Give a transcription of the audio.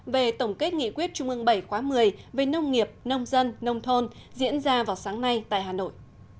về tổng kết nghị quyết trung ương bảy khóa một mươi về nông nghiệp nông dân nông thôn diễn ra vào sáng nay tại hà nội